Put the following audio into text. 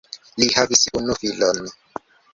Li havis unu filon.